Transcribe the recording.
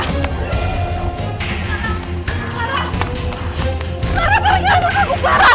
clara baliklah anak aku clara